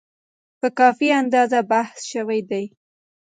په کافي اندازه بحث شوی دی.